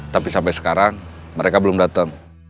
tapi sampai sekarang mereka belum datang